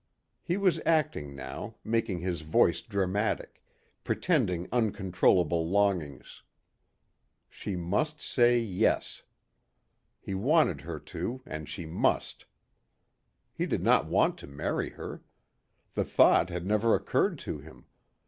He was acting now, making his voice dramatic, pretending uncontrollable longings. She must say "Yes." He wanted her to and she must. He did not want to marry her. The thought had never occured to him.